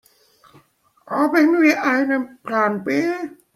Haben wir einen Plan B?